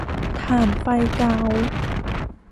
ถ่านไฟเก่า